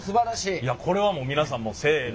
いやこれはもう皆さんせの。